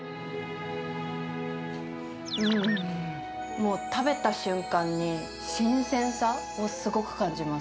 もう、食べた瞬間に新鮮さをすごく感じます。